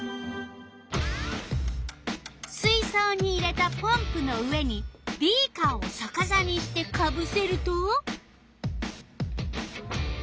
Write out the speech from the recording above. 水そうに入れたポンプの上にビーカーをさかさにしてかぶせると。